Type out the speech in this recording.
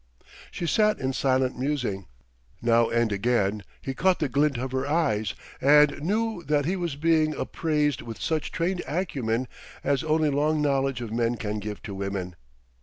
She sat in silent musing. Now and again he caught the glint of her eyes and knew that he was being appraised with such trained acumen as only long knowledge of men can give to women.